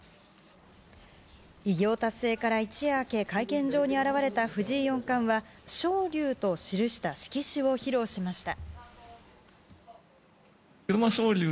偉業達成から一夜明け会見場に現れた藤井四冠は「昇龍」と記した色紙を披露しました。